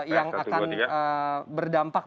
yang akan berdampak